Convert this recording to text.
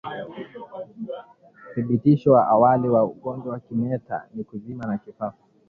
Uthibitisho wa awali wa ugonjwa wa kimeta ni kuzimia na kifafa